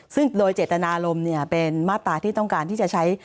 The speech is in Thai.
ซึ่งโดยเจตนารมณ์เป็นมาตราที่ต้องการที่จะใช้